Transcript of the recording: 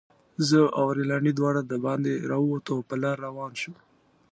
زه او رینالډي دواړه دباندې راووتو، او په لاره روان شوو.